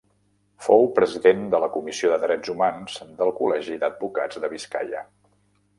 Fou president de la Comissió de Drets Humans del Col·legi d'Advocats de Biscaia.